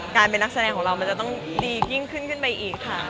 เป็นนักแสดงของเรามันจะต้องดียิ่งขึ้นขึ้นไปอีกค่ะ